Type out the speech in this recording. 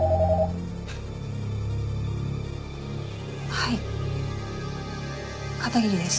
はい片桐です。